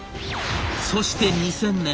そして２０００年。